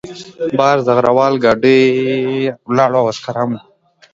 بهر زغره وال ګاډی ولاړ و او عسکر هم وو